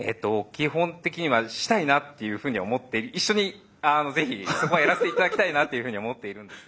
基本的にはしたいなっていうふうに思って一緒にぜひそこはやらせて頂きたいなというふうには思っているんですが。